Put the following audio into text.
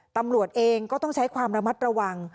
ตำรวจเองก็ต้องใช้ความระมัดระวัง